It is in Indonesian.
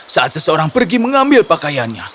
saat seseorang pergi mengambil pakaiannya